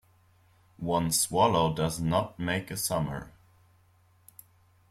One swallow does not make a summer.